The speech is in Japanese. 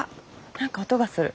何か音がする。